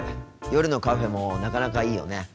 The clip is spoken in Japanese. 夜のカフェもなかなかいいよね。